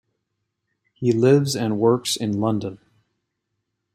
He lives and works in London.